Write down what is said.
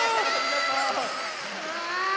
うわ！